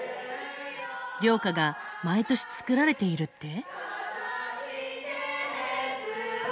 寮歌が毎年作られているって？